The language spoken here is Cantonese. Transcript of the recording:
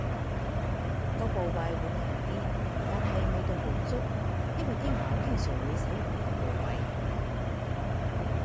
個部位會硬啲，但係味道好足，因爲啲牛經常使呢個部位